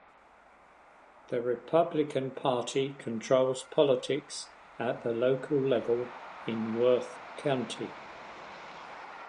The Republican Party controls politics at the local level in Worth County.